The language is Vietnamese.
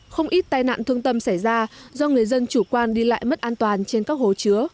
không ít tai nạn thương tâm xảy ra do người dân chủ quan đi lại mất an toàn trên các hồ chứa